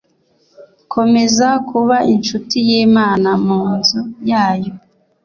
komeza kuba incuti y imana mu nzu yayo